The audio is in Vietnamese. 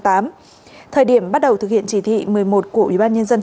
thời điểm bắt đầu thực hiện chỉ thị một mươi một của ubnd